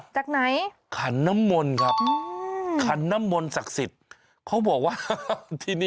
จากไหน